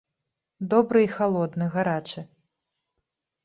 Добры і халодны, гарачы.